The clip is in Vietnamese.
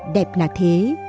đẹp là thế